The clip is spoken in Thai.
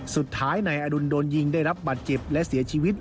สุดท้ายนายอดุลโดนยิงได้รับบัตรเจ็บและเสียชีวิต